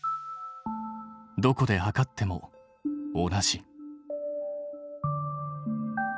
どこで測っても同じ。